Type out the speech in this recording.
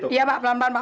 iya pak pelan pelan pak